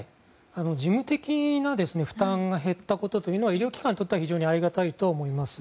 事務的な負担が減ったことというのは医療機関にとっては非常にありがたいと思います。